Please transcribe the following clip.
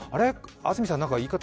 安住さん、なんか言い方